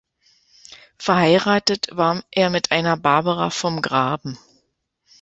Verheiratet war er mit einer Barbara vom Graben.